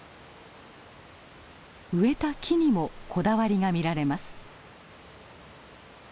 植えた木にもこだわりが見られます。